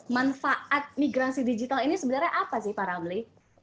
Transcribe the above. manfaat migrasi digital ini sebenarnya apa sih para amli